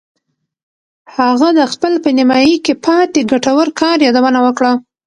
هغه د خپل په نیمایي کې پاتې ګټور کار یادونه وکړه